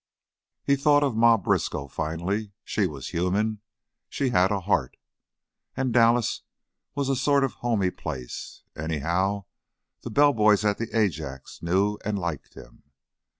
He thought of Ma Briskow, finally. She was human; she had a heart. And Dallas was a sort of homey place; anyhow, the bellboys at the Ajax knew and liked him.